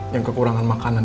yang kekurangan makanan